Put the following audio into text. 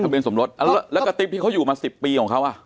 เบียนสมรสแล้วกระติ๊บที่เขาอยู่มา๑๐ปีของเขาอ่ะ